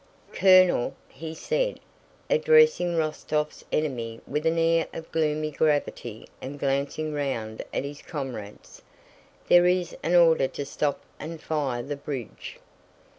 "Colonel," he said, addressing Rostóv's enemy with an air of gloomy gravity and glancing round at his comrades, "there is an order to stop and fire the bridge."